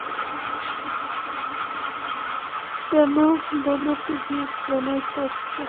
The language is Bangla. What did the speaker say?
কেন বানাতে গিয়েছিলেন এই তত্ত্ব।